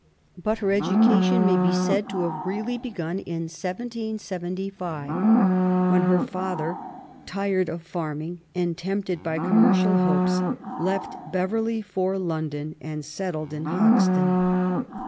But her education may be said to have reaUy begun in 1775, when her father, tired of farming and tempted by commercial hopes, left Beverly for London, and settled in Hoxton.